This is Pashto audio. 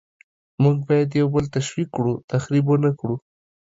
موږ باید یو بل تشویق کړو، تخریب ونکړو.